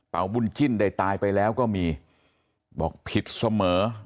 บุญจิ้นได้ตายไปแล้วก็มีบอกผิดเสมอ